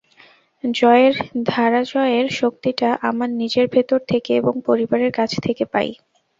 জয়ের ধারাজয়ের শক্তিটা আমার নিজের ভেতর থেকে এবং পরিবারের কাছ থেকে পাই।